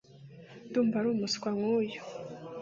ndumva ari umuswa nkuyu